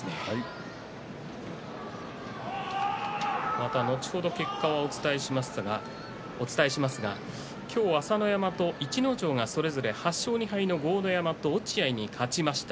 また後ほど結果をお伝えしますが朝乃山と逸ノ城がそれぞれ８勝２敗の豪ノ山と落合に勝ちました。